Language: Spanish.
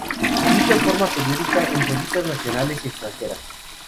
Publica en forma periódica en revistas nacionales y extranjeras.